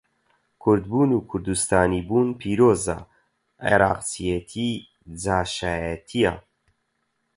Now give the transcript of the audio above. کوردبوون و کوردستانی بوون پیرۆزە، عێڕاقچێتی جاشایەتییە.